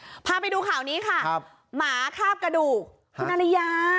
พาไปดูข่าวนี้ค่ะครับหมาคาบกระดูกคุณอริยา